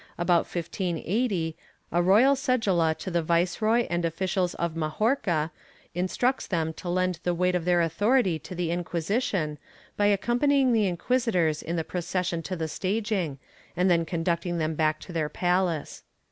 About 1580, a royal cedula to the viceroy and officials of Majorca instructs them to lend the weight of their authority to the Inqui sition, by accompanying the inquisitors in the procession to the staging, and then conducting them back to their palace.